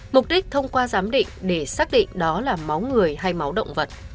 mục đích thông qua giám định để xác định đó là máu người hay máu động vật